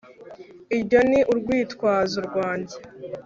irwo ni urwitwazo rwanjye